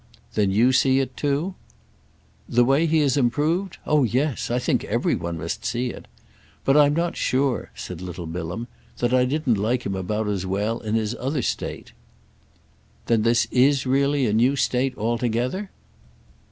"Then you see it too?" "The way he has improved? Oh yes—I think every one must see it. But I'm not sure," said little Bilham, "that I didn't like him about as well in his other state." "Then this is really a new state altogether?"